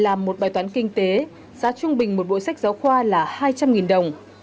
làm một bài toán kinh tế giá trung bình một bộ sách giáo khoa là hai trăm linh đồng